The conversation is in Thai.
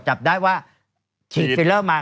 จับได้ว่าฉีดฟิลเลอร์มา